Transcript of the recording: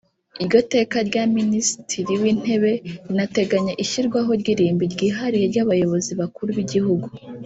Iryo teka rya Minisitiri w’Intebe rinateganya ishyirwaho ry’irimbi ryihariye ry’Abayobozi bakuru b’igihugu